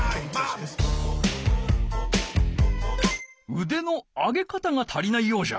うでの上げ方が足りないようじゃ。